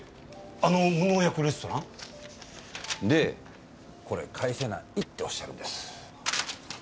あの無農薬レストラン？でこれ返せないっておっしゃるんです。